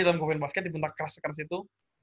dalam gofundme basket dibentak keras keras itu